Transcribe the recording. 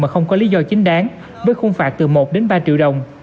mà không có lý do chính đáng với khung phạt từ một đến ba triệu đồng